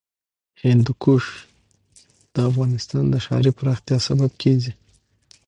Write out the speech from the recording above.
هندوکش د افغانستان د ښاري پراختیا سبب کېږي.